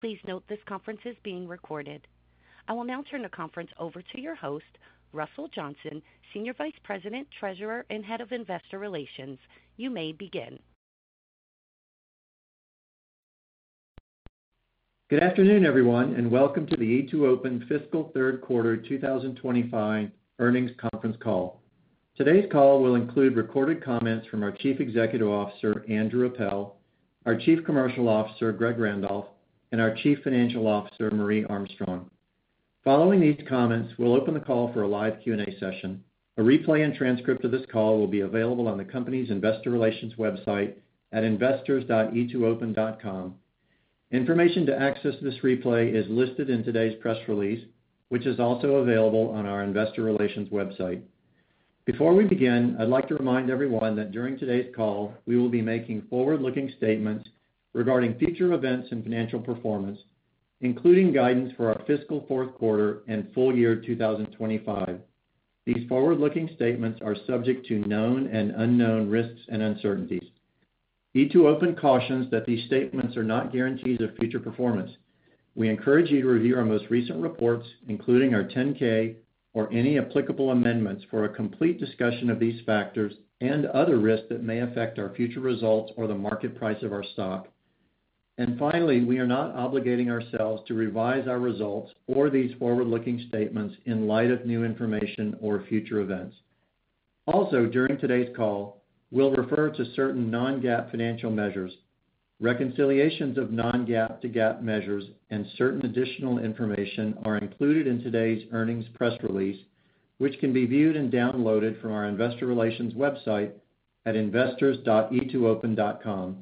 Please note this conference is being recorded. I will now turn the conference over to your host, Russell Johnson, Senior Vice President, Treasurer, and Head of Investor Relations. You may begin. Good afternoon, everyone, and welcome to the E2open Fiscal Third Quarter 2025 Earnings Conference Call. Today's call will include recorded comments from our Chief Executive Officer, Andrew Appel, our Chief Commercial Officer, Greg Randolph, and our Chief Financial Officer, Marje Armstrong. Following these comments, we'll open the call for a live Q&A session. A replay and transcript of this call will be available on the company's Investor Relations website at investors.e2open.com. Information to access this replay is listed in today's press release, which is also available on our Investor Relations website. Before we begin, I'd like to remind everyone that during today's call, we will be making forward-looking statements regarding future events and financial performance, including guidance for our fiscal fourth quarter and full year 2025. These forward-looking statements are subject to known and unknown risks and uncertainties. E2open cautions that these statements are not guarantees of future performance. We encourage you to review our most recent reports, including our 10-K or any applicable amendments, for a complete discussion of these factors and other risks that may affect our future results or the market price of our stock. And finally, we are not obligating ourselves to revise our results or these forward-looking statements in light of new information or future events. Also, during today's call, we'll refer to certain non-GAAP financial measures. Reconciliations of non-GAAP to GAAP measures and certain additional information are included in today's earnings press release, which can be viewed and downloaded from our Investor Relations website at investors.e2open.com.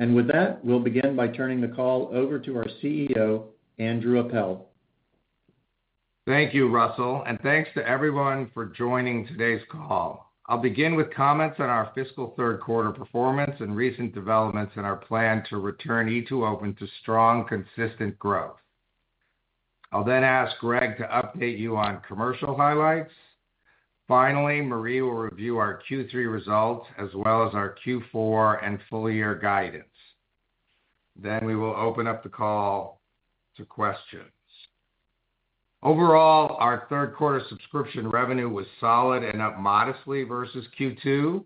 And with that, we'll begin by turning the call over to our CEO, Andrew Appel. Thank you, Russell, and thanks to everyone for joining today's call. I'll begin with comments on our fiscal third quarter performance and recent developments in our plan to return E2open to strong, consistent growth. I'll then ask Greg to update you on commercial highlights. Finally, Marje will review our Q3 results as well as our Q4 and full year guidance. Then we will open up the call to questions. Overall, our third quarter subscription revenue was solid and up modestly versus Q2.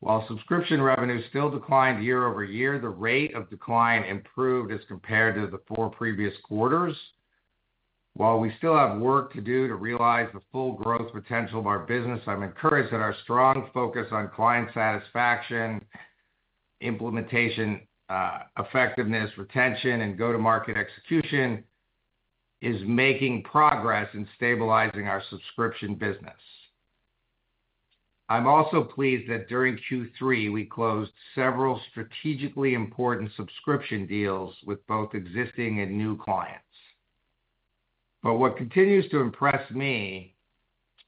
While subscription revenue still declined year over year, the rate of decline improved as compared to the four previous quarters. While we still have work to do to realize the full growth potential of our business, I'm encouraged that our strong focus on client satisfaction, implementation effectiveness, retention, and go-to-market execution is making progress in stabilizing our subscription business. I'm also pleased that during Q3, we closed several strategically important subscription deals with both existing and new clients. But what continues to impress me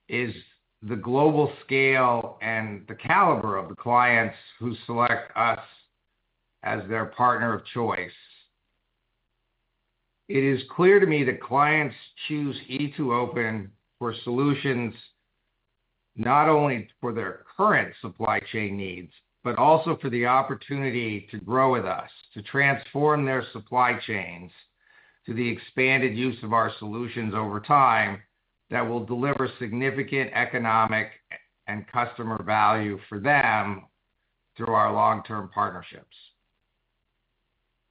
is the global scale and the caliber of the clients who select us as their partner of choice. It is clear to me that clients choose E2open for solutions not only for their current supply chain needs, but also for the opportunity to grow with us, to transform their supply chains to the expanded use of our solutions over time that will deliver significant economic and customer value for them through our long-term partnerships.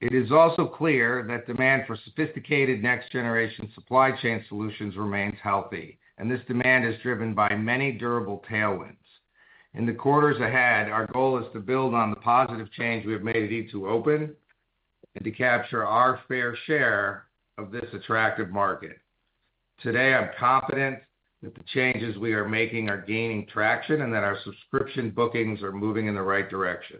It is also clear that demand for sophisticated next-generation supply chain solutions remains healthy, and this demand is driven by many durable tailwinds. In the quarters ahead, our goal is to build on the positive change we have made at E2open and to capture our fair share of this attractive market. Today, I'm confident that the changes we are making are gaining traction and that our subscription bookings are moving in the right direction.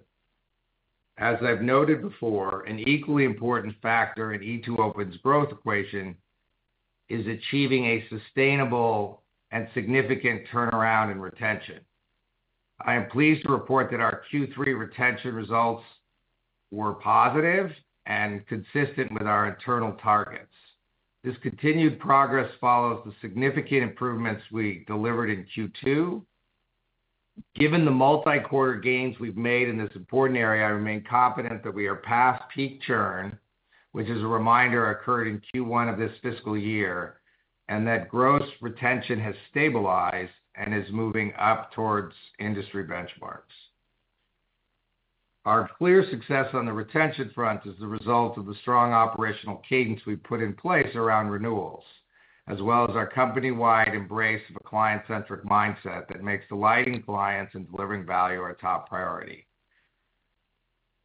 As I've noted before, an equally important factor in E2open's growth equation is achieving a sustainable and significant turnaround in retention. I am pleased to report that our Q3 retention results were positive and consistent with our internal targets. This continued progress follows the significant improvements we delivered in Q2. Given the multi-quarter gains we've made in this important area, I remain confident that we are past peak churn, which, as a reminder, occurred in Q1 of this fiscal year, and that gross retention has stabilized and is moving up towards industry benchmarks. Our clear success on the retention front is the result of the strong operational cadence we've put in place around renewals, as well as our company-wide embrace of a client-centric mindset that makes delighting clients and delivering value our top priority.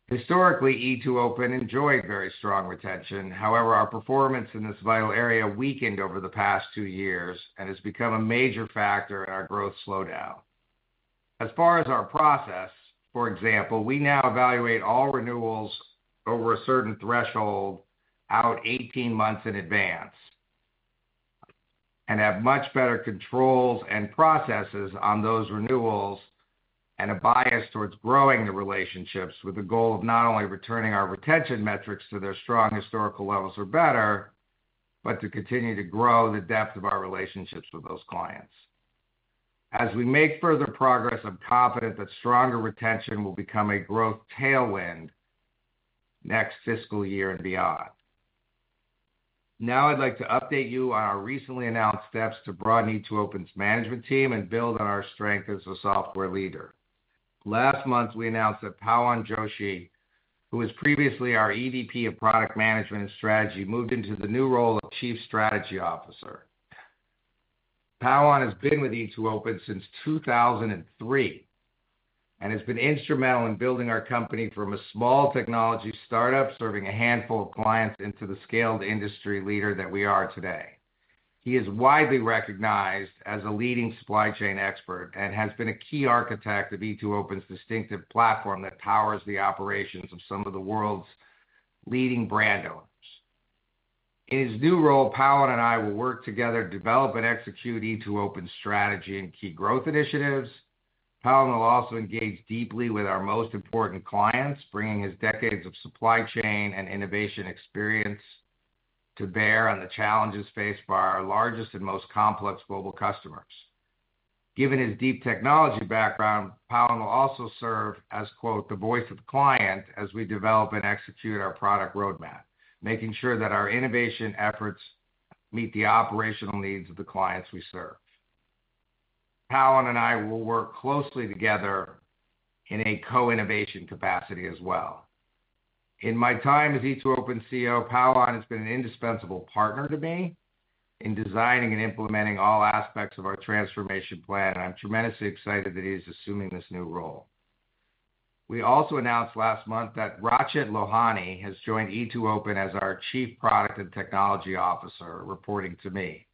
Historically, E2open enjoyed very strong retention. However, our performance in this vital area weakened over the past two years and has become a major factor in our growth slowdown. As far as our process, for example, we now evaluate all renewals over a certain threshold out 18 months in advance and have much better controls and processes on those renewals and a bias towards growing the relationships with the goal of not only returning our retention metrics to their strong historical levels or better, but to continue to grow the depth of our relationships with those clients. As we make further progress, I'm confident that stronger retention will become a growth tailwind next fiscal year and beyond. Now, I'd like to update you on our recently announced steps to broaden E2open's management team and build on our strength as a software leader. Last month, we announced that Pawan Joshi, who was previously our EVP of Product Management and Strategy, moved into the new role of Chief Strategy Officer. Pawan has been with E2open since 2003 and has been instrumental in building our company from a small technology startup serving a handful of clients into the scaled industry leader that we are today. He is widely recognized as a leading supply chain expert and has been a key architect of E2open's distinctive platform that powers the operations of some of the world's leading brand owners. In his new role, Pawan and I will work together to develop and execute E2open's strategy and key growth initiatives. Pawan will also engage deeply with our most important clients, bringing his decades of supply chain and innovation experience to bear on the challenges faced by our largest and most complex global customers. Given his deep technology background, Pawan will also serve as "the voice of the client" as we develop and execute our product roadmap, making sure that our innovation efforts meet the operational needs of the clients we serve. Pawan and I will work closely together in a co-innovation capacity as well. In my time as E2open CEO, Pawan has been an indispensable partner to me in designing and implementing all aspects of our transformation plan, and I'm tremendously excited that he is assuming this new role. We also announced last month that Rachit Lohani has joined E2open as our Chief Product and Technology Officer, reporting to me.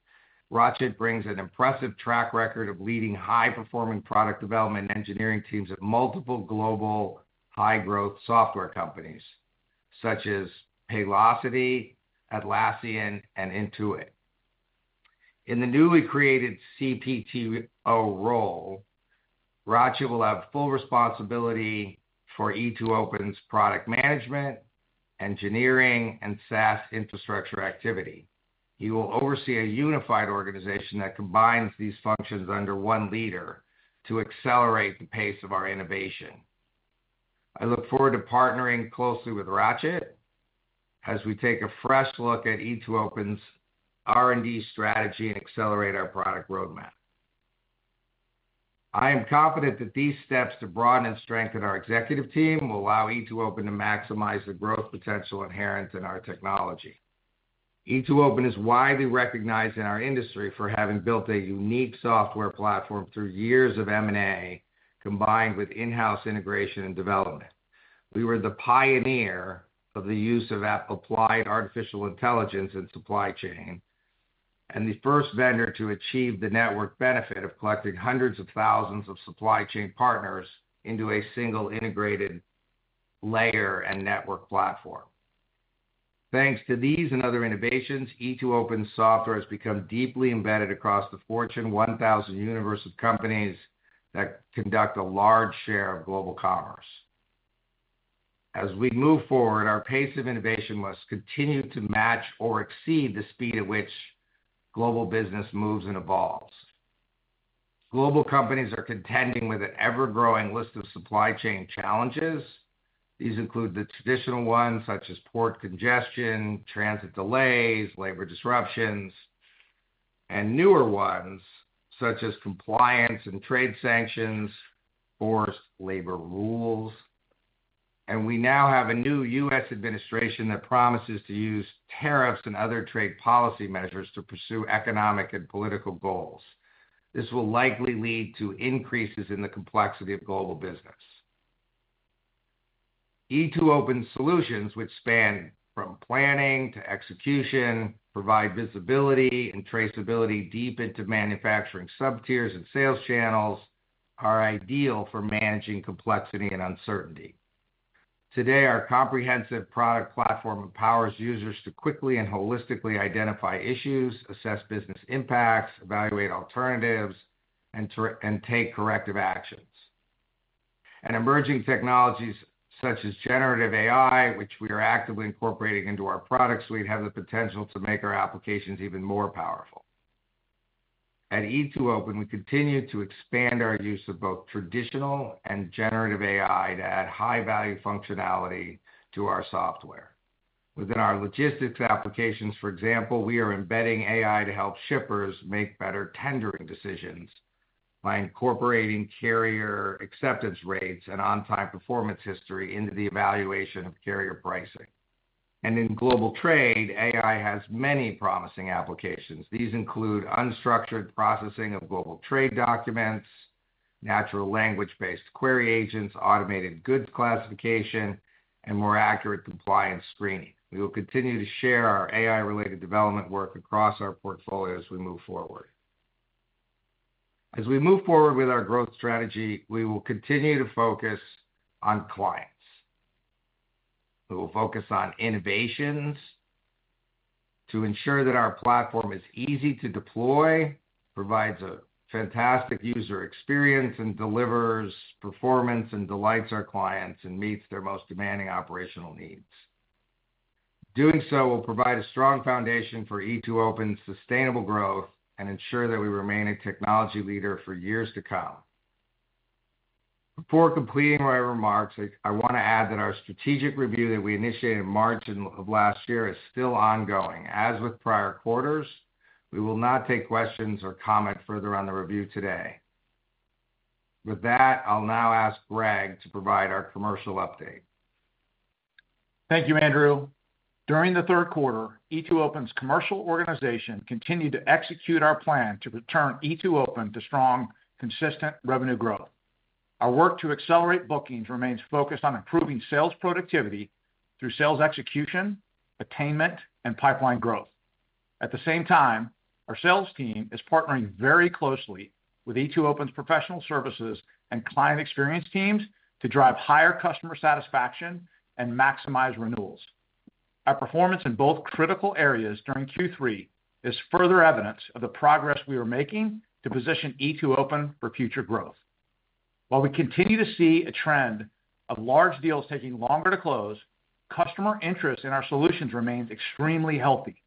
Rachit brings an impressive track record of leading high-performing product development and engineering teams at multiple global high-growth software companies such as Paylocity, Atlassian, and Intuit. In the newly created CPTO role, Rachit will have full responsibility for E2open's product management, engineering, and SaaS infrastructure activity. He will oversee a unified organization that combines these functions under one leader to accelerate the pace of our innovation. I look forward to partnering closely with Rachit as we take a fresh look at E2open's R&D strategy and accelerate our product roadmap. I am confident that these steps to broaden and strengthen our executive team will allow E2open to maximize the growth potential inherent in our technology. E2open is widely recognized in our industry for having built a unique software platform through years of M&A combined with in-house integration and development. We were the pioneer of the use of applied artificial intelligence in supply chain and the first vendor to achieve the network benefit of collecting hundreds of thousands of supply chain partners into a single integrated layer and network platform. Thanks to these and other innovations, E2open's software has become deeply embedded across the Fortune 1000 universe of companies that conduct a large share of global commerce. As we move forward, our pace of innovation must continue to match or exceed the speed at which global business moves and evolves. Global companies are contending with an ever-growing list of supply chain challenges. These include the traditional ones, such as port congestion, transit delays, labor disruptions, and newer ones, such as compliance and trade sanctions, forced labor rules. We now have a new U.S. administration that promises to use tariffs and other trade policy measures to pursue economic and political goals. This will likely lead to increases in the complexity of global business. E2open's solutions, which span from planning to execution, provide visibility and traceability deep into manufacturing sub-tiers and sales channels, are ideal for managing complexity and uncertainty. Today, our comprehensive product platform empowers users to quickly and holistically identify issues, assess business impacts, evaluate alternatives, and take corrective actions. Emerging technologies such as generative AI, which we are actively incorporating into our product suite, have the potential to make our applications even more powerful. At E2open, we continue to expand our use of both traditional and generative AI to add high-value functionality to our software. Within our logistics applications, for example, we are embedding AI to help shippers make better tendering decisions by incorporating carrier acceptance rates and on-time performance history into the evaluation of carrier pricing. And in global trade, AI has many promising applications. These include unstructured processing of global trade documents, natural language-based query agents, automated goods classification, and more accurate compliance screening. We will continue to share our AI-related development work across our portfolio as we move forward. As we move forward with our growth strategy, we will continue to focus on clients. We will focus on innovations to ensure that our platform is easy to deploy, provides a fantastic user experience, and delivers performance and delights our clients and meets their most demanding operational needs. Doing so will provide a strong foundation for E2open's sustainable growth and ensure that we remain a technology leader for years to come. Before completing my remarks, I want to add that our strategic review that we initiated in March of last year is still ongoing. As with prior quarters, we will not take questions or comment further on the review today. With that, I'll now ask Greg to provide our commercial update. Thank you, Andrew. During the third quarter, E2open's commercial organization continued to execute our plan to return E2open to strong, consistent revenue growth. Our work to accelerate bookings remains focused on improving sales productivity through sales execution, attainment, and pipeline growth. At the same time, our sales team is partnering very closely with E2open's professional services and client experience teams to drive higher customer satisfaction and maximize renewals. Our performance in both critical areas during Q3 is further evidence of the progress we are making to position E2open for future growth. While we continue to see a trend of large deals taking longer to close, customer interest in our solutions remains extremely healthy.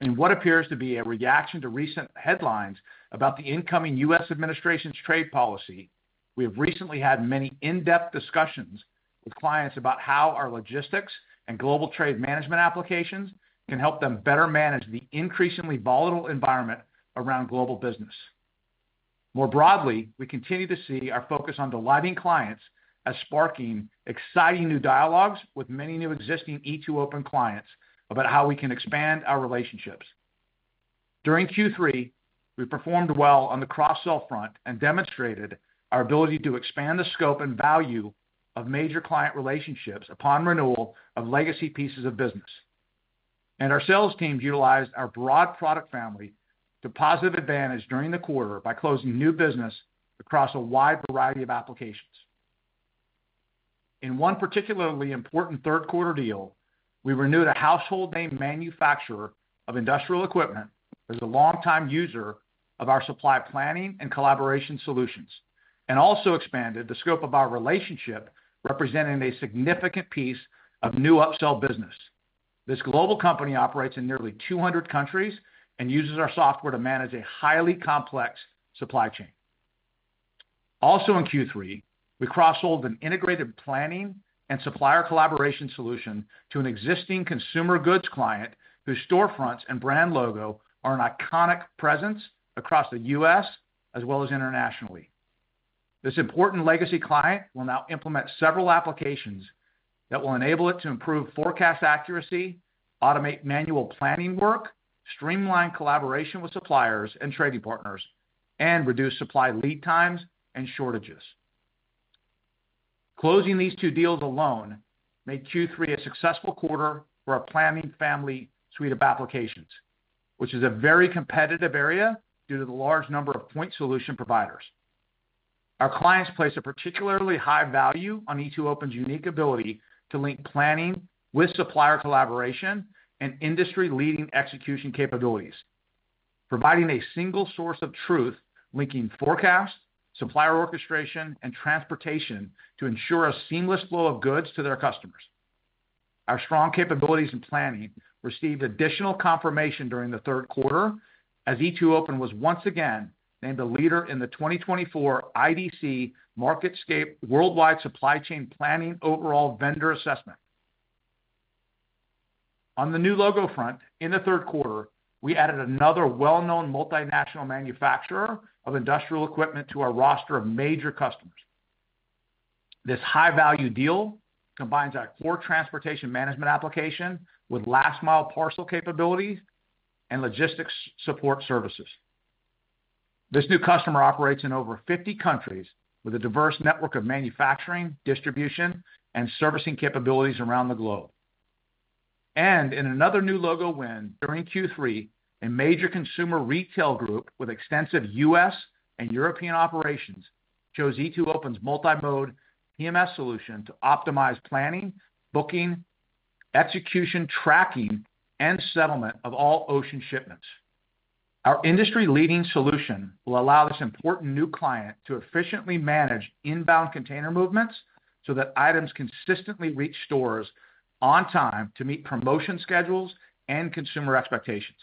In what appears to be a reaction to recent headlines about the incoming U.S. administration's trade policy, we have recently had many in-depth discussions with clients about how our logistics and global trade management applications can help them better manage the increasingly volatile environment around global business. More broadly, we continue to see our focus on delighting clients as sparking exciting new dialogues with many new existing E2open clients about how we can expand our relationships. During Q3, we performed well on the cross-sell front and demonstrated our ability to expand the scope and value of major client relationships upon renewal of legacy pieces of business, and our sales teams utilized our broad product family to positive advantage during the quarter by closing new business across a wide variety of applications. In one particularly important third-quarter deal, we renewed a household-name manufacturer of industrial equipment as a longtime user of our supply planning and collaboration solutions and also expanded the scope of our relationship, representing a significant piece of new upsell business. This global company operates in nearly 200 countries and uses our software to manage a highly complex supply chain. Also in Q3, we cross-sold an integrated planning and supplier collaboration solution to an existing consumer goods client whose storefronts and brand logo are an iconic presence across the U.S. as well as internationally. This important legacy client will now implement several applications that will enable it to improve forecast accuracy, automate manual planning work, streamline collaboration with suppliers and trading partners, and reduce supply lead times and shortages. Closing these two deals alone made Q3 a successful quarter for our planning family suite of applications, which is a very competitive area due to the large number of point solution providers. Our clients place a particularly high value on E2open's unique ability to link planning with supplier collaboration and industry-leading execution capabilities, providing a single source of truth linking forecast, supplier orchestration, and transportation to ensure a seamless flow of goods to their customers. Our strong capabilities in planning received additional confirmation during the third quarter as E2open was once again named a leader in the 2024 IDC MarketScape Worldwide Supply Chain Planning Overall Vendor Assessment. On the new logo front, in the third quarter, we added another well-known multinational manufacturer of industrial equipment to our roster of major customers. This high-value deal combines our core transportation management application with last-mile parcel capabilities and logistics support services. This new customer operates in over 50 countries with a diverse network of manufacturing, distribution, and servicing capabilities around the globe. And in another new logo win, during Q3, a major consumer retail group with extensive U.S. and European operations chose E2open's multi-mode TMS solution to optimize planning, booking, execution, tracking, and settlement of all ocean shipments. Our industry-leading solution will allow this important new client to efficiently manage inbound container movements so that items consistently reach stores on time to meet promotion schedules and consumer expectations.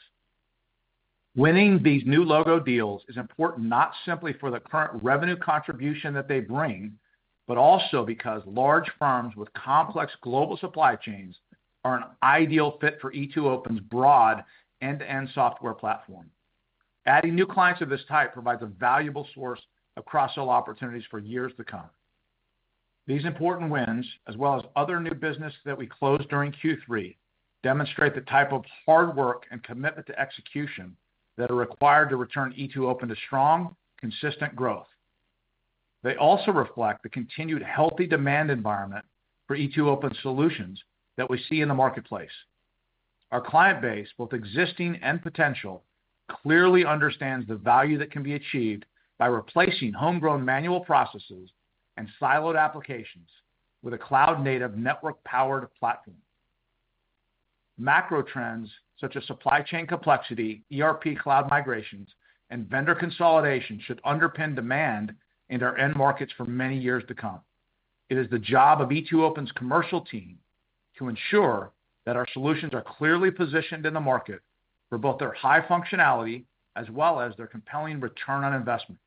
Winning these new logo deals is important not simply for the current revenue contribution that they bring, but also because large firms with complex global supply chains are an ideal fit for E2open's broad end-to-end software platform. Adding new clients of this type provides a valuable source of cross-sell opportunities for years to come. These important wins, as well as other new business that we closed during Q3, demonstrate the type of hard work and commitment to execution that are required to return E2open to strong, consistent growth. They also reflect the continued healthy demand environment for E2open's solutions that we see in the marketplace. Our client base, both existing and potential, clearly understands the value that can be achieved by replacing homegrown manual processes and siloed applications with a cloud-native network-powered platform. Macro trends such as supply chain complexity, ERP cloud migrations, and vendor consolidation should underpin demand in our end markets for many years to come. It is the job of E2open's commercial team to ensure that our solutions are clearly positioned in the market for both their high functionality as well as their compelling return on investment.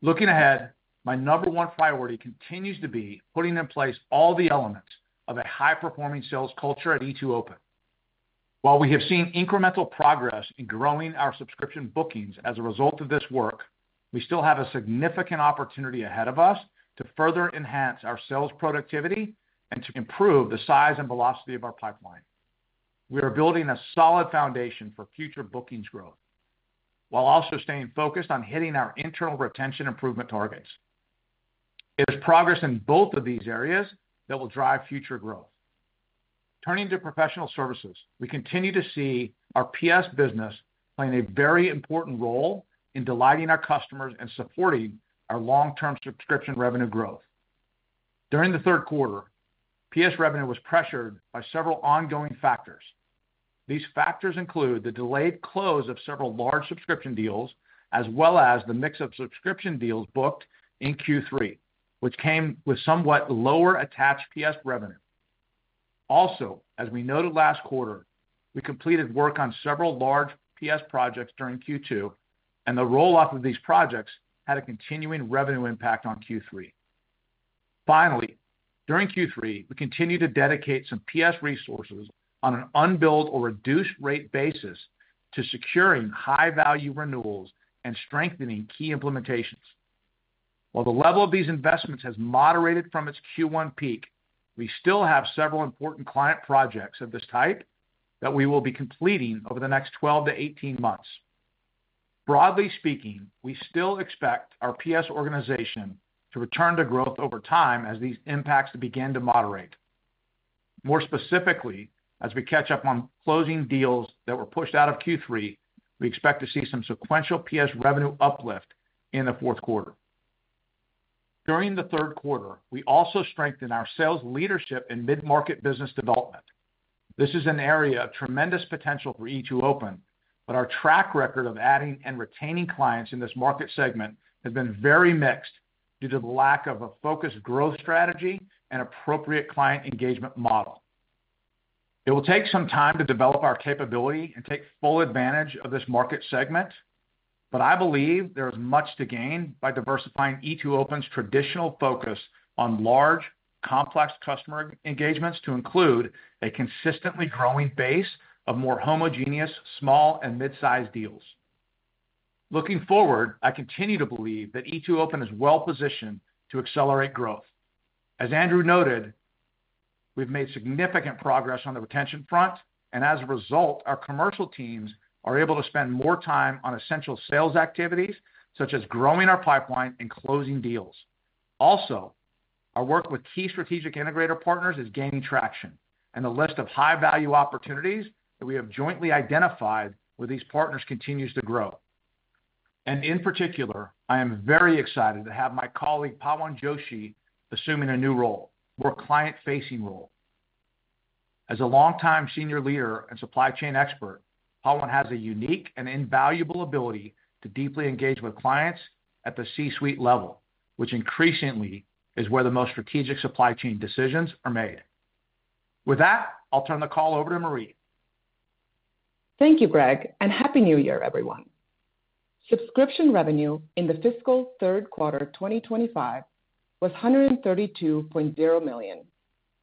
Looking ahead, my number one priority continues to be putting in place all the elements of a high-performing sales culture at E2open. While we have seen incremental progress in growing our subscription bookings as a result of this work, we still have a significant opportunity ahead of us to further enhance our sales productivity and to improve the size and velocity of our pipeline. We are building a solid foundation for future bookings growth while also staying focused on hitting our internal retention improvement targets. It is progress in both of these areas that will drive future growth. Turning to professional services, we continue to see our PS business playing a very important role in delighting our customers and supporting our long-term subscription revenue growth. During the third quarter, PS revenue was pressured by several ongoing factors. These factors include the delayed close of several large subscription deals as well as the mix of subscription deals booked in Q3, which came with somewhat lower attached PS revenue. Also, as we noted last quarter, we completed work on several large PS projects during Q2, and the rollout of these projects had a continuing revenue impact on Q3. Finally, during Q3, we continued to dedicate some PS resources on an unbilled or reduced rate basis to securing high-value renewals and strengthening key implementations. While the level of these investments has moderated from its Q1 peak, we still have several important client projects of this type that we will be completing over the next 12 to 18 months. Broadly speaking, we still expect our PS organization to return to growth over time as these impacts begin to moderate. More specifically, as we catch up on closing deals that were pushed out of Q3, we expect to see some sequential PS revenue uplift in the fourth quarter. During the third quarter, we also strengthened our sales leadership and mid-market business development. This is an area of tremendous potential for E2open, but our track record of adding and retaining clients in this market segment has been very mixed due to the lack of a focused growth strategy and appropriate client engagement model. It will take some time to develop our capability and take full advantage of this market segment, but I believe there is much to gain by diversifying E2open's traditional focus on large, complex customer engagements to include a consistently growing base of more homogeneous small and mid-sized deals. Looking forward, I continue to believe that E2open is well positioned to accelerate growth. As Andrew noted, we've made significant progress on the retention front, and as a result, our commercial teams are able to spend more time on essential sales activities such as growing our pipeline and closing deals. Also, our work with key strategic integrator partners is gaining traction, and the list of high-value opportunities that we have jointly identified with these partners continues to grow. And in particular, I am very excited to have my colleague Pawan Joshi assuming a new role, more client-facing role. As a longtime senior leader and supply chain expert, Pawan has a unique and invaluable ability to deeply engage with clients at the C-suite level, which increasingly is where the most strategic supply chain decisions are made. With that, I'll turn the call over to Marje. Thank you, Greg, and happy New Year, everyone. Subscription revenue in the fiscal third quarter 2025 was $132.0 million,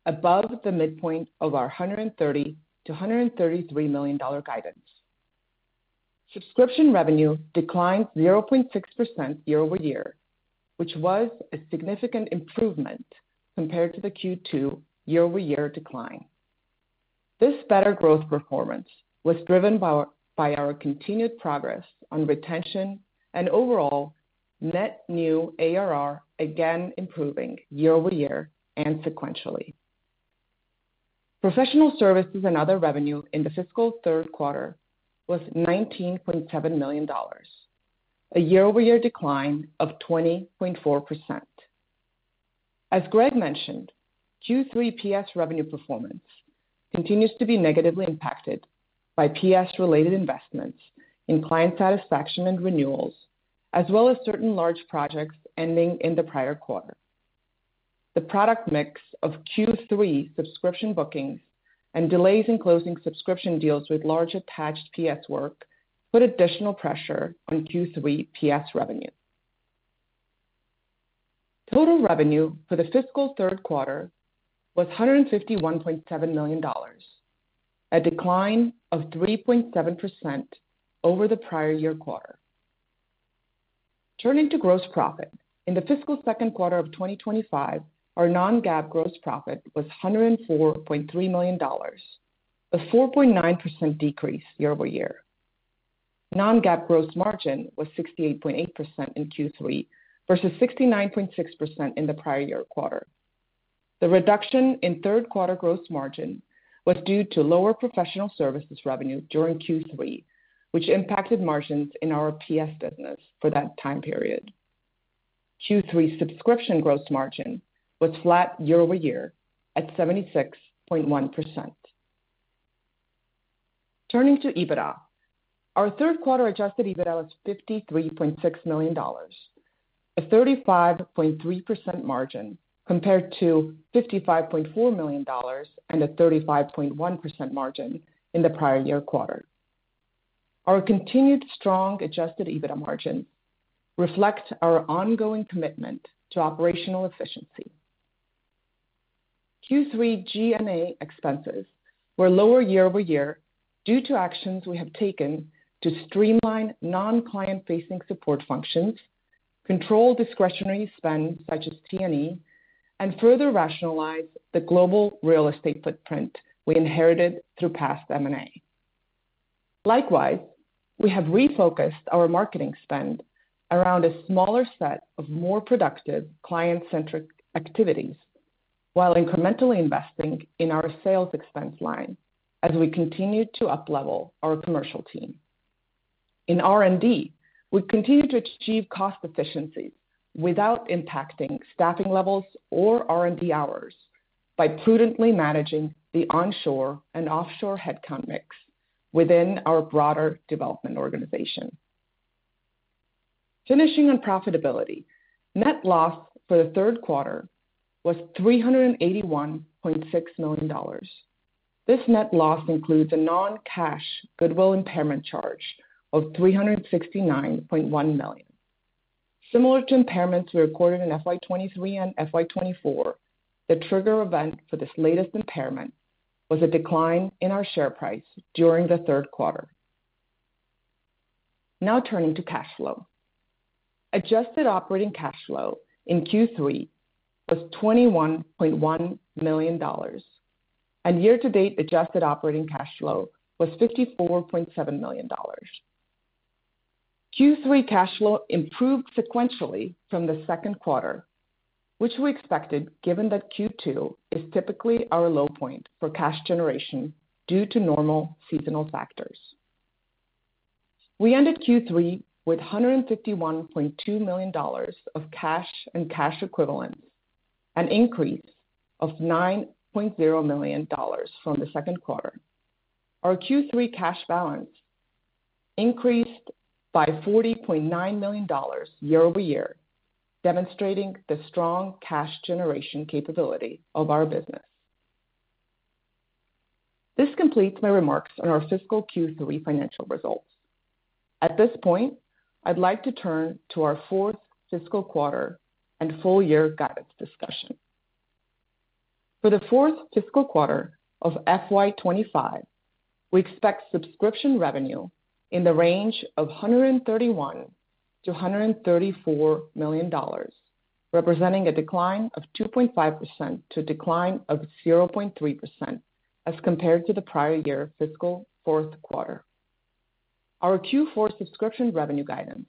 above the midpoint of our $130-$133 million guidance. Subscription revenue declined 0.6% year over year, which was a significant improvement compared to the Q2 year-over-year decline. This better growth performance was driven by our continued progress on retention and overall net new ARR again improving year-over-year and sequentially. Professional services and other revenue in the fiscal third quarter was $19.7 million, a year-over-year decline of 20.4%. As Greg mentioned, Q3 PS revenue performance continues to be negatively impacted by PS-related investments in client satisfaction and renewals, as well as certain large projects ending in the prior quarter. The product mix of Q3 subscription bookings and delays in closing subscription deals with large attached PS work put additional pressure on Q3 PS revenue. Total revenue for the fiscal third quarter was $151.7 million, a decline of 3.7% over the prior year quarter. Turning to gross profit, in the fiscal second quarter of 2025, our non-GAAP gross profit was $104.3 million, a 4.9% decrease year-over-year. Non-GAAP gross margin was 68.8% in Q3 versus 69.6% in the prior year quarter. The reduction in third quarter gross margin was due to lower professional services revenue during Q3, which impacted margins in our PS business for that time period. Q3 subscription gross margin was flat year-over-year at 76.1%. Turning to EBITDA, our third quarter Adjusted EBITDA was $53.6 million, a 35.3% margin compared to $55.4 million and a 35.1% margin in the prior year quarter. Our continued strong Adjusted EBITDA margins reflect our ongoing commitment to operational efficiency. Q3 G&A expenses were lower year-over-year due to actions we have taken to streamline non-client-facing support functions, control discretionary spend such as T&E, and further rationalize the global real estate footprint we inherited through past M&A. Likewise, we have refocused our marketing spend around a smaller set of more productive client-centric activities while incrementally investing in our sales expense line as we continue to uplevel our commercial team. In R&D, we continue to achieve cost efficiencies without impacting staffing levels or R&D hours by prudently managing the onshore and offshore headcount mix within our broader development organization. Finishing on profitability, net loss for the third quarter was $381.6 million. This net loss includes a non-cash goodwill impairment charge of $369.1 million. Similar to impairments we recorded in FY 2023 and FY 2024, the trigger event for this latest impairment was a decline in our share price during the third quarter. Now turning to cash flow. Adjusted Operating Cash Flow in Q3 was $21.1 million, and year-to-date Adjusted Operating Cash Flow was $54.7 million. Q3 cash flow improved sequentially from the second quarter, which we expected given that Q2 is typically our low point for cash generation due to normal seasonal factors. We ended Q3 with $151.2 million of cash and cash equivalents, an increase of $9.0 million from the second quarter. Our Q3 cash balance increased by $40.9 million year-over-year, demonstrating the strong cash generation capability of our business. This completes my remarks on our fiscal Q3 financial results. At this point, I'd like to turn to our fourth fiscal quarter and full year guidance discussion. For the fourth fiscal quarter of FY25, we expect subscription revenue in the range of $131 million-$134 million, representing a decline of 2.5% to a decline of 0.3% as compared to the prior year fiscal fourth quarter. Our Q4 subscription revenue guidance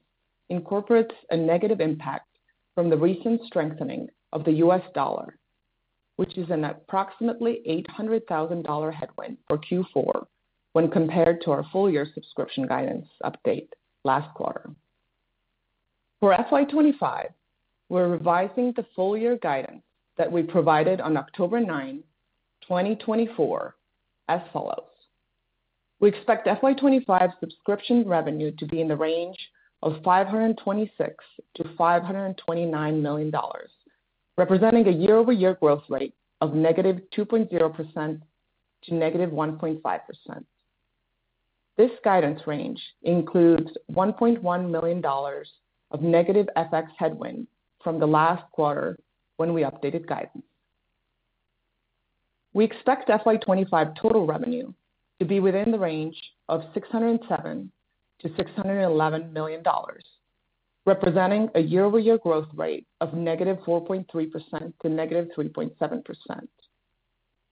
incorporates a negative impact from the recent strengthening of the U.S. dollar, which is an approximately $800,000 headwind for Q4 when compared to our full year subscription guidance update last quarter. For FY25, we're revising the full year guidance that we provided on October 9, 2024, as follows. We expect FY25 subscription revenue to be in the range of $526 million-$529 million, representing a year-over-year growth rate of negative 2.0% to negative 1.5%. This guidance range includes $1.1 million of negative FX headwind from the last quarter when we updated guidance. We expect FY25 total revenue to be within the range of $607 million-$611 million, representing a year-over-year growth rate of negative 4.3% to negative 3.7%.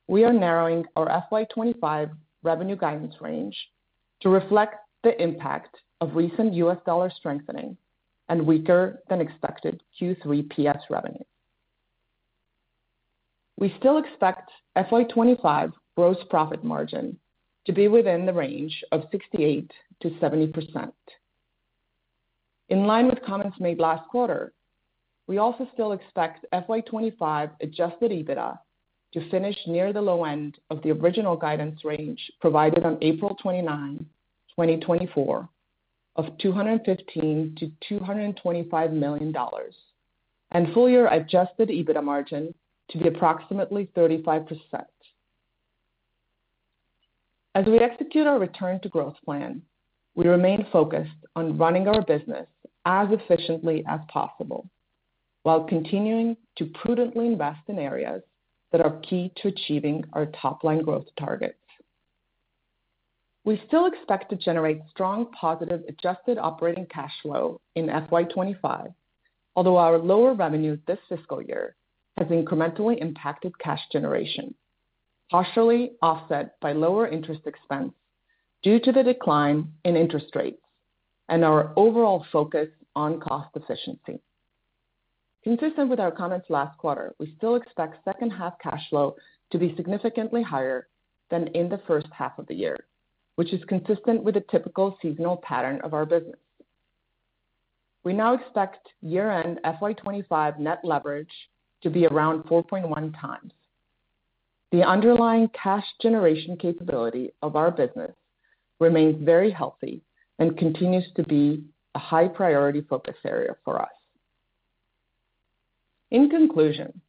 We are narrowing our FY25 revenue guidance range to reflect the impact of recent U.S. dollar strengthening and weaker-than-expected Q3 PS revenue. We still expect FY25 gross profit margin to be within the range of 68%-70%. In line with comments made last quarter, we also still expect FY25 Adjusted EBITDA to finish near the low end of the original guidance range provided on April 29, 2024, of $215 million-$225 million, and full year Adjusted EBITDA margin to be approximately 35%. As we execute our return to growth plan, we remain focused on running our business as efficiently as possible while continuing to prudently invest in areas that are key to achieving our top-line growth targets. We still expect to generate strong positive adjusted operating cash flow in FY25, although our lower revenue this fiscal year has incrementally impacted cash generation, partially offset by lower interest expense due to the decline in interest rates and our overall focus on cost efficiency. Consistent with our comments last quarter, we still expect second-half cash flow to be significantly higher than in the first half of the year, which is consistent with the typical seasonal pattern of our business. We now expect year-end FY25 net leverage to be around 4.1 times. The underlying cash generation capability of our business remains very healthy and continues to be a high priority focus area for us. In conclusion,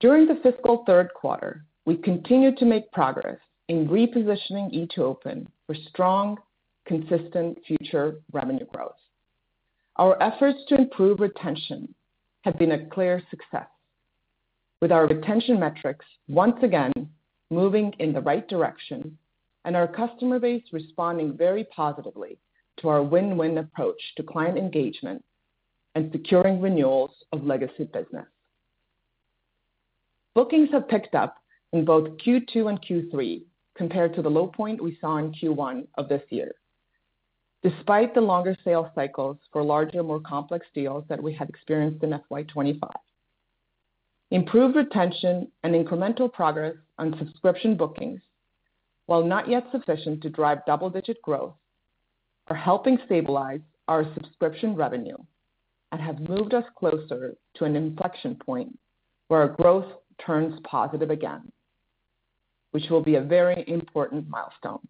during the fiscal third quarter, we continue to make progress in repositioning E2open for strong, consistent future revenue growth. Our efforts to improve retention have been a clear success, with our retention metrics once again moving in the right direction and our customer base responding very positively to our win-win approach to client engagement and securing renewals of legacy business. Bookings have picked up in both Q2 and Q3 compared to the low point we saw in Q1 of this year, despite the longer sales cycles for larger, more complex deals that we had experienced in FY25. Improved retention and incremental progress on subscription bookings, while not yet sufficient to drive double-digit growth, are helping stabilize our subscription revenue and have moved us closer to an inflection point where our growth turns positive again, which will be a very important milestone.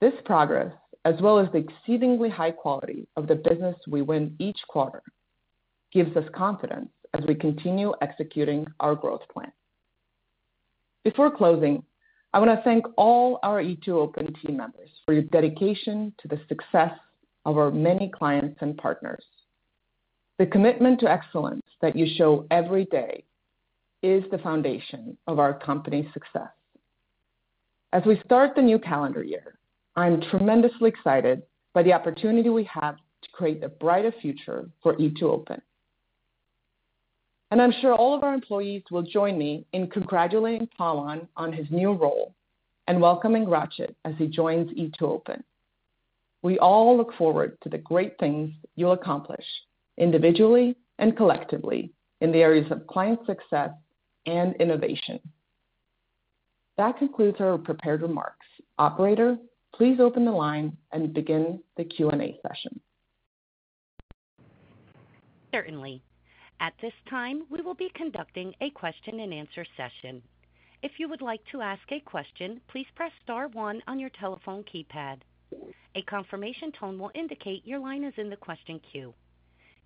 This progress, as well as the exceedingly high quality of the business we win each quarter, gives us confidence as we continue executing our growth plan. Before closing, I want to thank all our E2open team members for your dedication to the success of our many clients and partners. The commitment to excellence that you show every day is the foundation of our company's success. As we start the new calendar year, I'm tremendously excited by the opportunity we have to create a brighter future for E2open, and I'm sure all of our employees will join me in congratulating Pawan on his new role and welcoming Rachit as he joins E2open. We all look forward to the great things you'll accomplish individually and collectively in the areas of client success and innovation. That concludes our prepared remarks. Operator, please open the line and begin the Q&A session. Certainly. At this time, we will be conducting a question-and-answer session. If you would like to ask a question, please press Star 1 on your telephone keypad. A confirmation tone will indicate your line is in the question queue.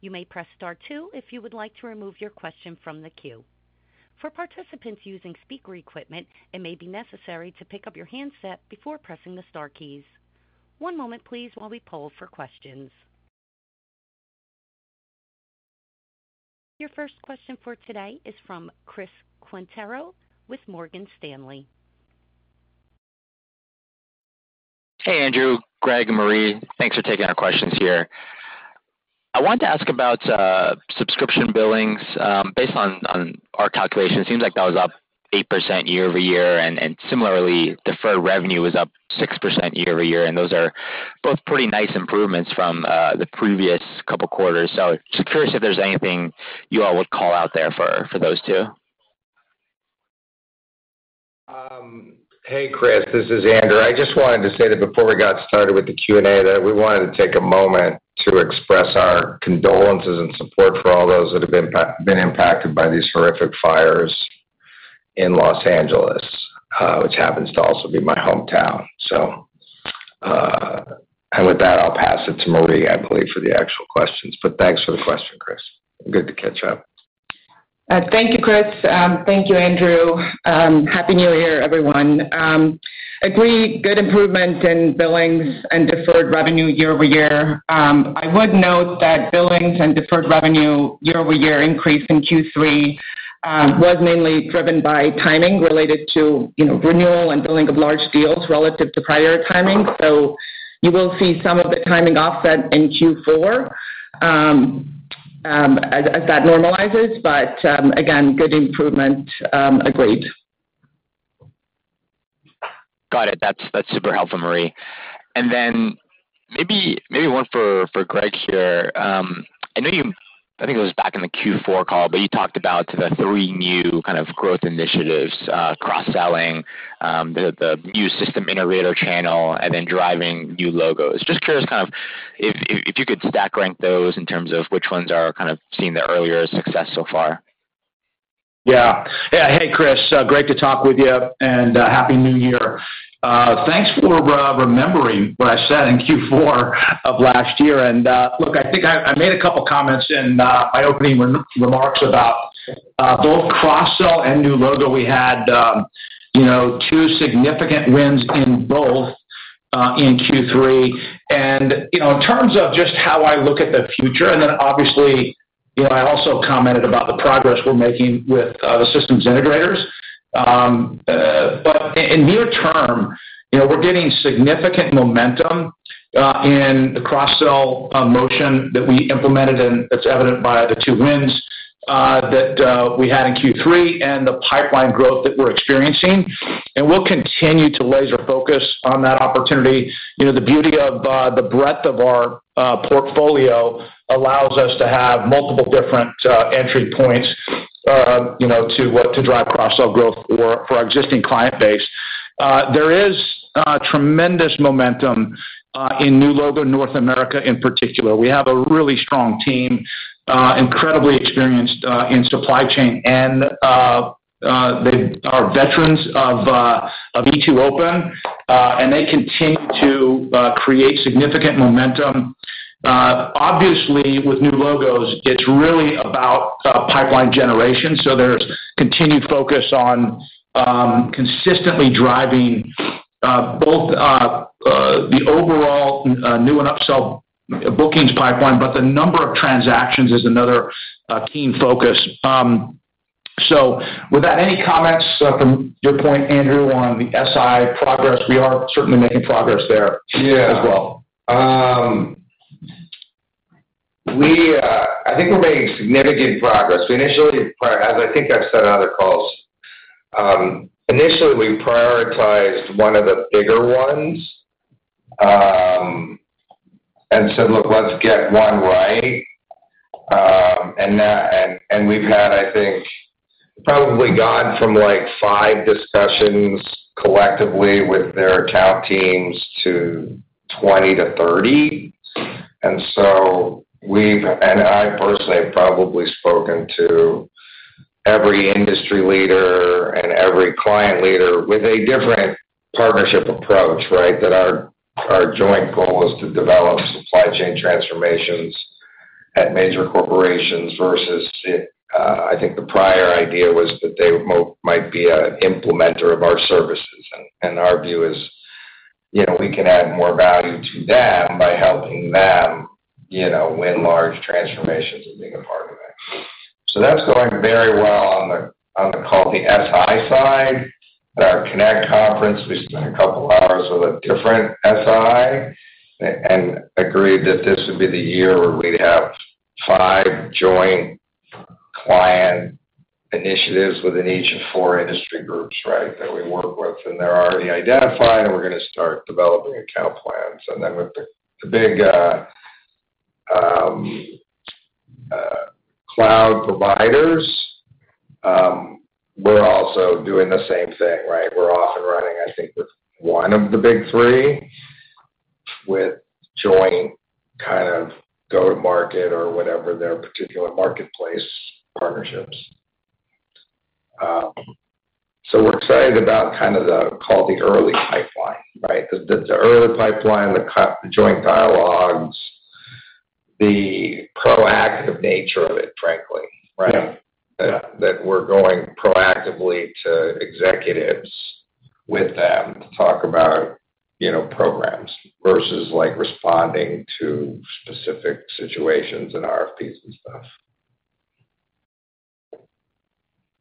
You may press Star 2 if you would like to remove your question from the queue. For participants using speaker equipment, it may be necessary to pick up your handset before pressing the Star keys. One moment, please, while we poll for questions. Your first question for today is from Chris Quintero with Morgan Stanley. Hey, Andrew, Greg, and Marje. Thanks for taking our questions here. I wanted to ask about subscription billings. Based on our calculations, it seems like that was up 8% year-over-year, and similarly, deferred revenue was up 6% year-over-year, and those are both pretty nice improvements from the previous couple quarters. So just curious if there's anything you all would call out there for those two. Hey, Chris, this is Andrew. I just wanted to say that before we got started with the Q&A, that we wanted to take a moment to express our condolences and support for all those that have been impacted by these horrific fires in Los Angeles, which happens to also be my hometown. So, and with that, I'll pass it to Marje, I believe, for the actual questions. But thanks for the question, Chris. Good to catch up. Thank you, Chris. Thank you, Andrew. Happy New Year, everyone. Agree, good improvement in billings and deferred revenue year-over-year. I would note that billings and deferred revenue year-over-year increase in Q3 was mainly driven by timing related to renewal and billing of large deals relative to prior timing. So you will see some of the timing offset in Q4 as that normalizes, but again, good improvement, agreed. Got it. That's super helpful, Marje. And then maybe one for Greg here. I think it was back in the Q4 call, but you talked about the three new kind of growth initiatives: cross-selling, the new system integrator channel, and then driving new logos. Just curious kind of if you could stack rank those in terms of which ones are kind of seeing the earlier success so far. Yeah. Yeah. Hey, Chris. Great to talk with you, and happy New Year. Thanks for remembering what I said in Q4 of last year. And look, I think I made a couple comments in my opening remarks about both cross-sell and new logo. We had two significant wins in both in Q3. And in terms of just how I look at the future, and then obviously, I also commented about the progress we're making with the systems integrators. But in near term, we're getting significant momentum in the cross-sell motion that we implemented, and that's evident by the two wins that we had in Q3 and the pipeline growth that we're experiencing. And we'll continue to laser focus on that opportunity. The beauty of the breadth of our portfolio allows us to have multiple different entry points to drive cross-sell growth for our existing client base. There is tremendous momentum in new logo in North America in particular. We have a really strong team, incredibly experienced in supply chain, and they are veterans of E2open, and they continue to create significant momentum. Obviously, with new logos, it's really about pipeline generation. So there's continued focus on consistently driving both the overall new and upsell bookings pipeline, but the number of transactions is another key focus. So without any comments from your point, Andrew, on the SI progress, we are certainly making progress there as well. Yeah. I think we're making significant progress. As I think I've said in other calls, initially, we prioritized one of the bigger ones and said, "Look, let's get one right," and we've had, I think, probably gone from like five discussions collectively with their account teams to 20 to 30. And I personally have probably spoken to every industry leader and every client leader with a different partnership approach, right? That our joint goal is to develop supply chain transformations at major corporations versus, I think, the prior idea was that they might be an implementer of our services. And our view is we can add more value to them by helping them win large transformations and being a part of that. So that's going very well on the SI side. At our Connect Conference, we spent a couple hours with a different SI and agreed that this would be the year where we'd have five joint client initiatives within each of four industry groups, right? That we work with. And they're already identified, and we're going to start developing account plans. And then with the big cloud providers, we're also doing the same thing, right? We're off and running, I think, with one of the big three with joint kind of go-to-market or whatever their particular marketplace partnerships, so we're excited about kind of the early pipeline, right? The early pipeline, the joint dialogues, the proactive nature of it, frankly, right, that we're going proactively to executives with them to talk about programs versus responding to specific situations and RFPs and stuff.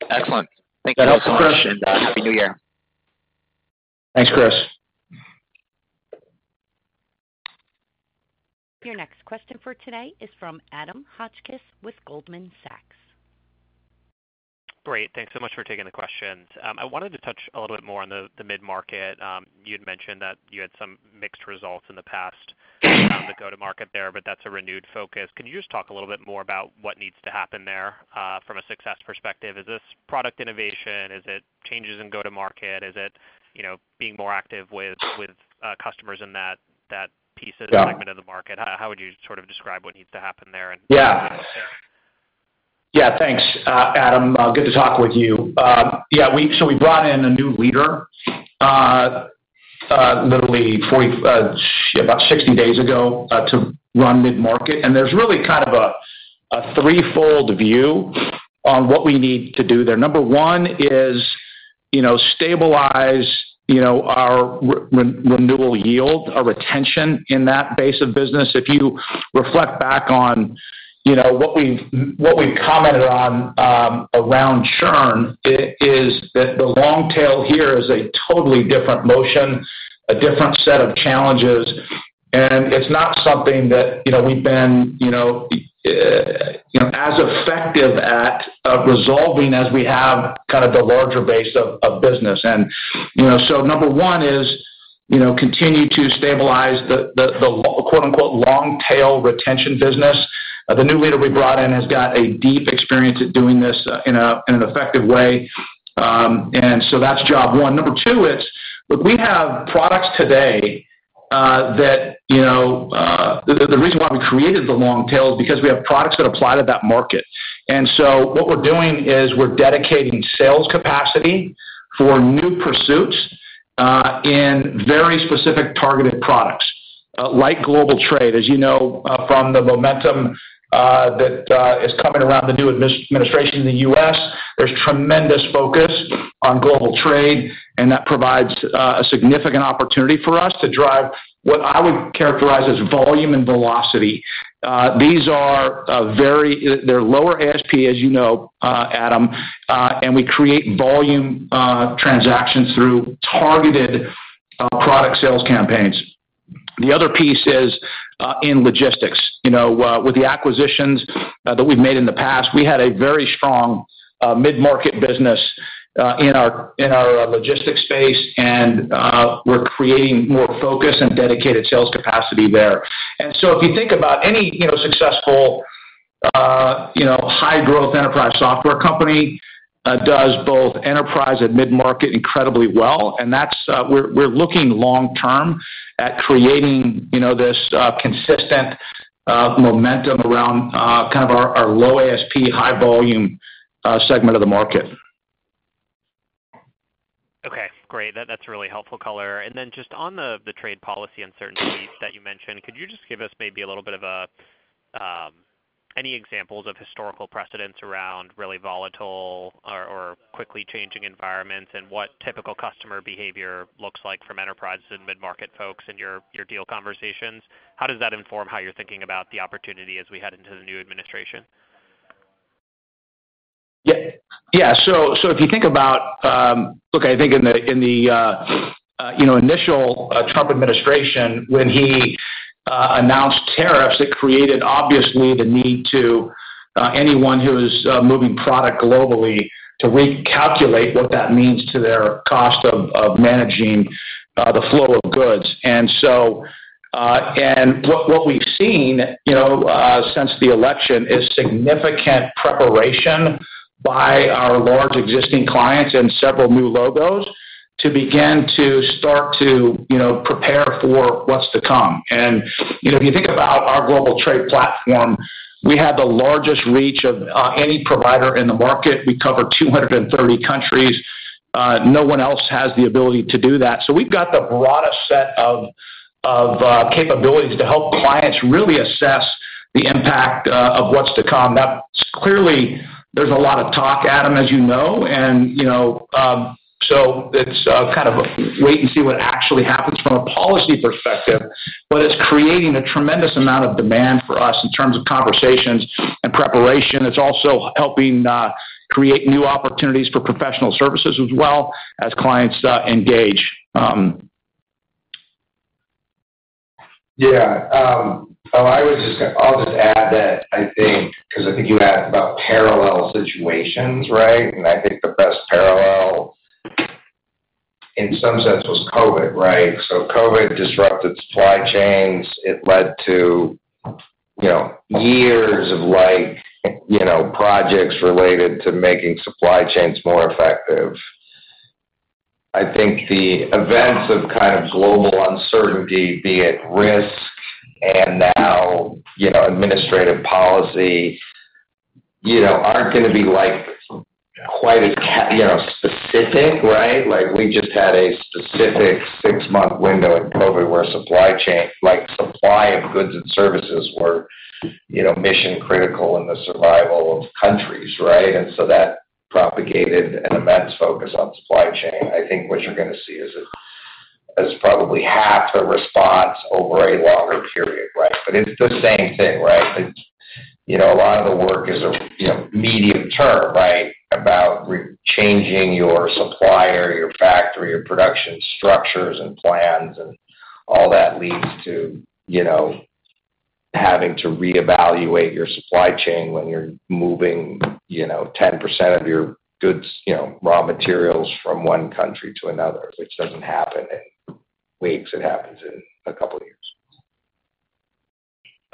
Excellent. Thank you so much. That helps so much. Happy New Year. Thanks, Chris. Your next question for today is from Adam Hotchkiss with Goldman Sachs. Great. Thanks so much for taking the questions. I wanted to touch a little bit more on the mid-market. You had mentioned that you had some mixed results in the past on the go-to-market there, but that's a renewed focus. Can you just talk a little bit more about what needs to happen there from a success perspective? Is this product innovation? Is it changes in go-to-market? Is it being more active with customers in that piece of the segment of the market? How would you sort of describe what needs to happen there? Yeah. Yeah. Thanks, Adam. Good to talk with you. Yeah. So we brought in a new leader, literally about 60 days ago, to run mid-market. And there's really kind of a threefold view on what we need to do there. Number one is stabilize our renewal yield, our retention in that base of business. If you reflect back on what we've commented on around churn, it is that the long tail here is a totally different motion, a different set of challenges. And it's not something that we've been as effective at resolving as we have kind of the larger base of business. And so number one is continue to stabilize the "long tail retention" business. The new leader we brought in has got a deep experience at doing this in an effective way. And so that's job one. Number two. It's, look, we have products today that the reason why we created the long tail is because we have products that apply to that market, and so what we're doing is we're dedicating sales capacity for new pursuits in very specific targeted products like global trade. As you know from the momentum that is coming around the new administration in the U.S., there's tremendous focus on global trade, and that provides a significant opportunity for us to drive what I would characterize as volume and velocity. These are very, they're lower ASP, as you know, Adam, and we create volume transactions through targeted product sales campaigns. The other piece is in logistics. With the acquisitions that we've made in the past, we had a very strong mid-market business in our logistics space, and we're creating more focus and dedicated sales capacity there. And so if you think about any successful high-growth enterprise software company does both enterprise and mid-market incredibly well. And we're looking long-term at creating this consistent momentum around kind of our low ASP, high volume segment of the market. Okay. Great. That's really helpful, color. And then just on the trade policy uncertainty that you mentioned, could you just give us maybe a little bit of any examples of historical precedents around really volatile or quickly changing environments and what typical customer behavior looks like from enterprises and mid-market folks in your deal conversations? How does that inform how you're thinking about the opportunity as we head into the new administration? Yeah. So if you think about, I think in the initial Trump administration, when he announced tariffs, it created, obviously, the need to anyone who is moving product globally to recalculate what that means to their cost of managing the flow of goods. And what we've seen since the election is significant preparation by our large existing clients and several new logos to begin to prepare for what's to come. And if you think about our global trade platform, we have the largest reach of any provider in the market. We cover 230 countries. No one else has the ability to do that. So we've got the broadest set of capabilities to help clients really assess the impact of what's to come. Now, clearly, there's a lot of talk, Adam, as you know. So it's kind of wait and see what actually happens from a policy perspective. It's creating a tremendous amount of demand for us in terms of conversations and preparation. It's also helping create new opportunities for professional services as well as clients engage. Yeah. Oh, I was just going to. I'll just add that I think because you asked about parallel situations, right? I think the best parallel in some sense was COVID, right? COVID disrupted supply chains. It led to years of projects related to making supply chains more effective. I think the events of kind of global uncertainty, be it risk and now administrative policy, aren't going to be quite as specific, right? We just had a specific six-month window in COVID where supply of goods and services were mission-critical in the survival of countries, right? And so that propagated an immense focus on supply chain. I think what you're going to see is probably half the response over a longer period, right? But it's the same thing, right? A lot of the work is medium term, right, about changing your supplier, your factory, your production structures and plans, and all that leads to having to reevaluate your supply chain when you're moving 10% of your goods, raw materials from one country to another, which doesn't happen in weeks. It happens in a couple of years.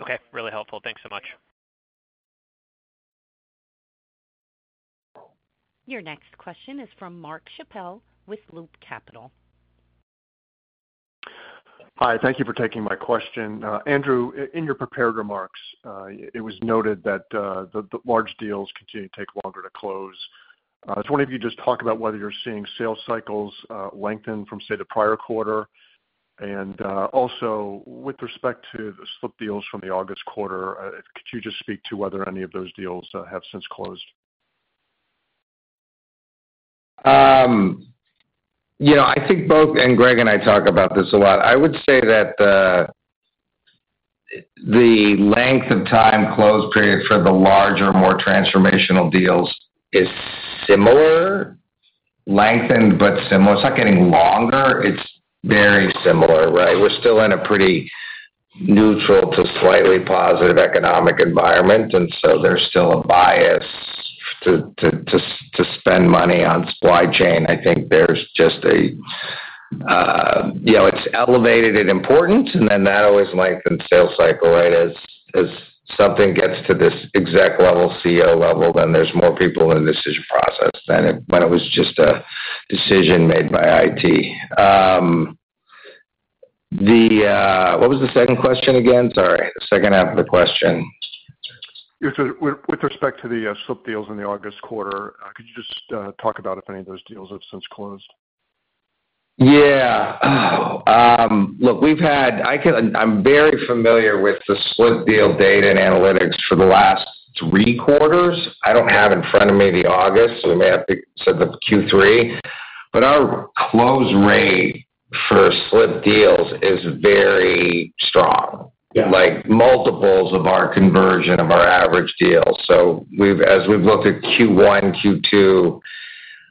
Okay. Really helpful. Thanks so much. Your next question is from Mark Schappell with Loop Capital. Hi. Thank you for taking my question. Andrew, in your prepared remarks, it was noted that the large deals continue to take longer to close. I just wanted you to just talk about whether you're seeing sales cycles lengthen from, say, the prior quarter. And also, with respect to the slip deals from the August quarter, could you just speak to whether any of those deals have since closed? I think both. And Greg and I talk about this a lot. I would say that the length of time closed period for the larger, more transformational deals is similar, lengthened, but similar. It's not getting longer. It's very similar, right? We're still in a pretty neutral to slightly positive economic environment, and so there's still a bias to spend money on supply chain. I think there's just, it's elevated in importance, and then that always lengthens sales cycle, right? As something gets to this exec level, CEO level, then there's more people in the decision process than when it was just a decision made by IT. What was the second question again? Sorry. The second half of the question. With respect to the slipped deals in the August quarter, could you just talk about if any of those deals have since closed? Yeah. Look, I'm very familiar with the slipped deal data and analytics for the last three quarters. I don't have in front of me the August. We may have to set up Q3. But our close rate for slip deals is very strong, multiples of our conversion of our average deals. So as we've looked at Q1, Q2,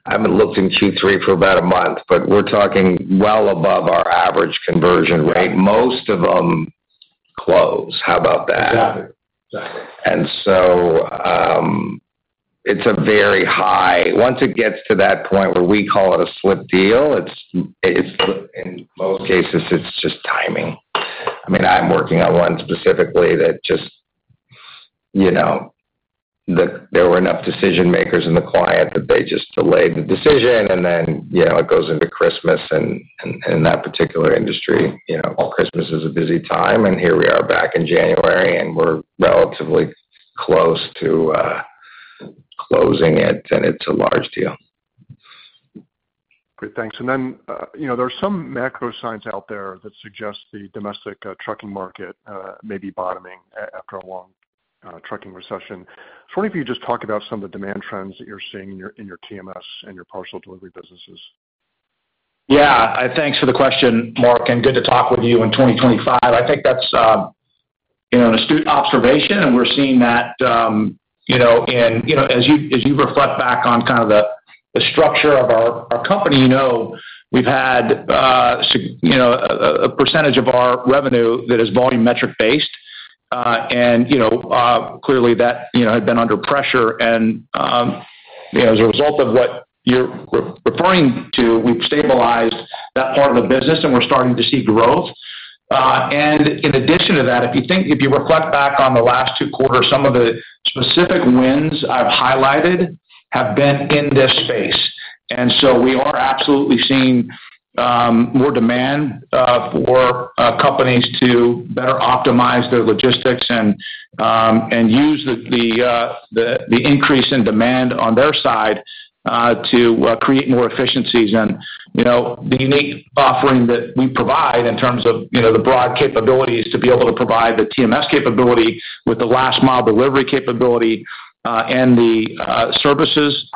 I haven't looked in Q3 for about a month, but we're talking well above our average conversion rate. Most of them close. How about that? Exactly. Exactly. And so it's a very high once it gets to that point where we call it a slip deal. In most cases, it's just timing. I mean, I'm working on one specifically that just there were enough decision-makers in the client that they just delayed the decision, and then it goes into Christmas. And in that particular industry, Christmas is a busy time. Here we are back in January, and we're relatively close to closing it, and it's a large deal. Great. Thanks. And then there are some macro signs out there that suggest the domestic trucking market may be bottoming after a long trucking recession. I was wondering if you could just talk about some of the demand trends that you're seeing in your TMS and your parcel delivery businesses? Yeah. Thanks for the question, Mark. And good to talk with you in 2025. I think that's an astute observation, and we're seeing that. And as you reflect back on kind of the structure of our company, we've had a percentage of our revenue that is volumetric based. And clearly, that had been under pressure. And as a result of what you're referring to, we've stabilized that part of the business, and we're starting to see growth. And in addition to that, if you reflect back on the last two quarters, some of the specific wins I've highlighted have been in this space. And so we are absolutely seeing more demand for companies to better optimize their logistics and use the increase in demand on their side to create more efficiencies. And the unique offering that we provide in terms of the broad capabilities to be able to provide the TMS capability with the last-mile delivery capability and the services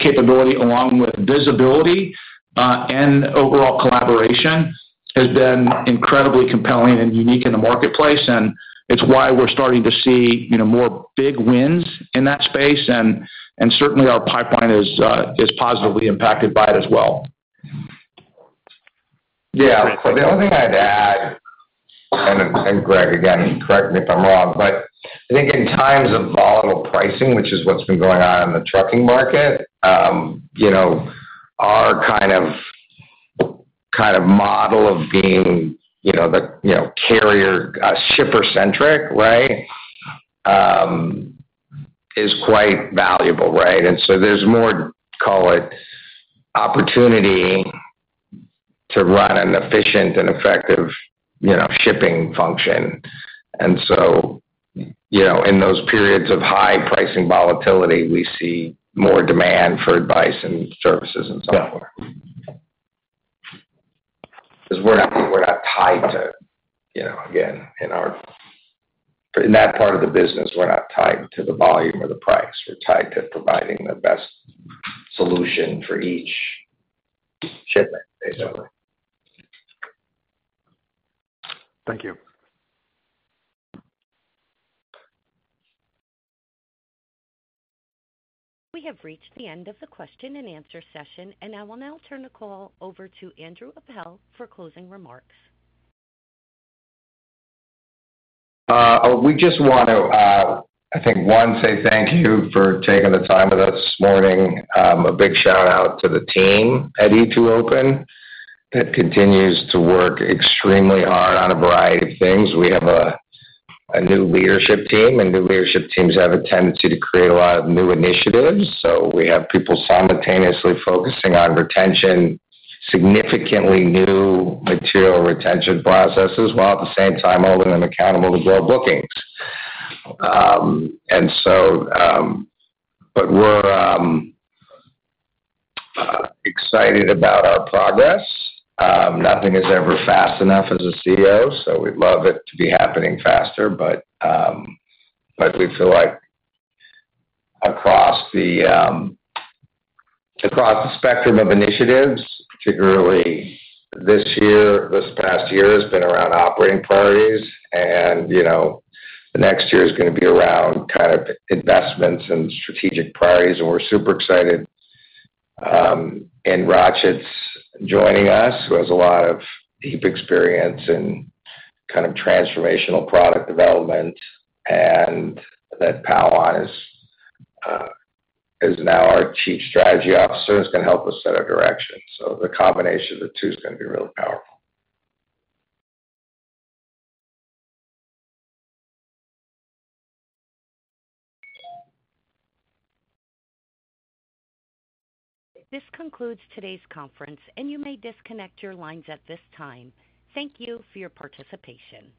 capability along with visibility and overall collaboration has been incredibly compelling and unique in the marketplace. And it's why we're starting to see more big wins in that space. And certainly, our pipeline is positively impacted by it as well. Yeah. The only thing I'd add, and Greg, again, correct me if I'm wrong, but I think in times of volatile pricing, which is what's been going on in the trucking market, our kind of model of being the carrier shipper-centric, right, is quite valuable, right? And so there's more, call it, opportunity to run an efficient and effective shipping function. And so in those periods of high pricing volatility, we see more demand for advice and services and so forth. Because we're not tied to, again, in that part of the business, we're not tied to the volume or the price. We're tied to providing the best solution for each shipment, basically. Thank you. We have reached the end of the question and answer session, and I will now turn the call over to Andrew Appel for closing remarks. We just want to, I think, one, say thank you for taking the time with us this morning. A big shout-out to the team at E2open that continues to work extremely hard on a variety of things. We have a new leadership team, and new leadership teams have a tendency to create a lot of new initiatives. So we have people simultaneously focusing on retention, significantly new material retention processes, while at the same time holding them accountable to grow bookings. And so we're excited about our progress. Nothing is ever fast enough as a CEO, so we'd love it to be happening faster. But we feel like across the spectrum of initiatives, particularly this year, this past year has been around operating priorities, and the next year is going to be around kind of investments and strategic priorities. And we're super excited. And Rachit's joining us, who has a lot of deep experience in kind of transformational product development, and that Pawan is now our Chief Strategy Officer and is going to help us set our direction. So the combination of the two is going to be really powerful. This concludes today's conference, and you may disconnect your lines at this time. Thank you for your participation.